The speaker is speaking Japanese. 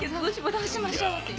どうしましょうって言って。